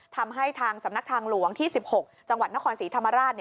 ทำให้ทางสำนักทางหลวงที่๑๖จังหวัดนครศรีธรรมราช